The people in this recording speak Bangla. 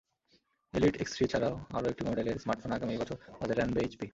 এলিট এক্সথ্রি ছাড়াও আরও একটি মডেলের স্মার্টফোন আগামী বছর বাজারে আনবে এইচপি।